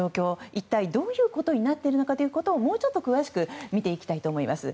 一体どういうことになっているのかもうちょっと詳しく見ていきたいと思います。